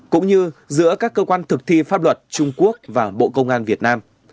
cũng như giữa các cơ quan thực thi pháp luật trung quốc và bộ công an việt nam